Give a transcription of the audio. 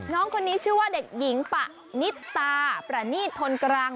น้องคนนี้ชื่อว่าเด็กหญิงปะนิตาประนีตพลกรัง